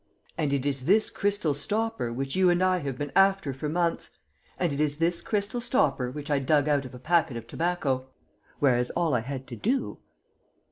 And it is this crystal stopper which you and I have been after for months; and it is this crystal stopper which I dug out of a packet of tobacco. Whereas all I had to do...."